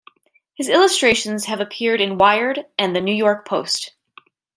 His illustrations have appeared in "Wired" and the "New York Post".